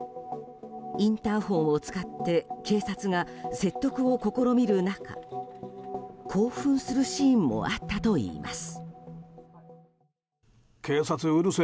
インターホンを使って警察が説得を試みる中興奮するシーンもあったといいます。